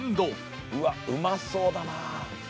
うわっうまそうだな。